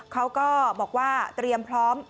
เขาก็บอกว่าเตรียมพร้อม